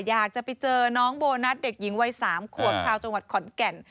อยากจะไปเจอน้องโบนัสเด็กหญิงวัย๓ขวบชาวจังหวัดขอนแก่น